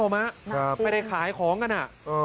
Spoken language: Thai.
ไม่ได้ขายของกันอ่ะ